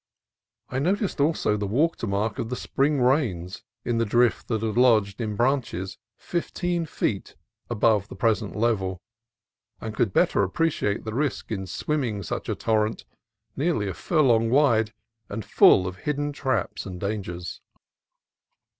I noticed also the watermark of the spring rains in the drift that had lodged in branches fifteen feet above the present level, and could better appreciate the risk in swim ming such a torrent, nearly a furlong wide and full of hidden traps and dangers.